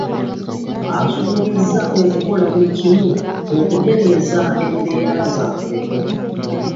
Asuubizza okukola buli kimu okutereeza embeera zaabwe